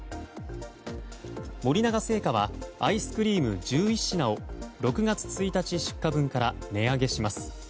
森永製菓はアイスクリーム１１品を６月１日出荷分から値上げします。